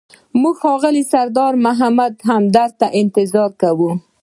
موږ ښاغلي سردار محمد همدرد ته انتظار کاوه.